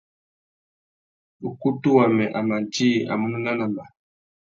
Ukutu wamê a má djï a munú nanamba.